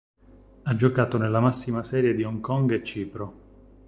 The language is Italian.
Ha giocato nella massima serie di Hong Kong e Cipro.